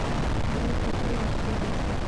ورور ته تل اړتیا لرې.